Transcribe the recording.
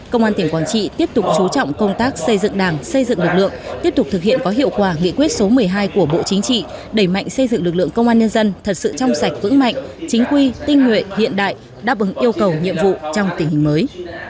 công an tỉnh quảng trị tiếp tục chú trọng công tác xây dựng đảng xây dựng lực lượng tiếp tục thực hiện có hiệu quả nghị quyết số một mươi hai của bộ chính trị đẩy mạnh xây dựng lực lượng công an nhân dân thật sự trong sạch vững mạnh chính quy tinh nguyện hiện đại đáp ứng yêu cầu nhiệm vụ trong tình hình mới